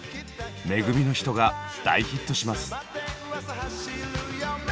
「組の人」が大ヒットします。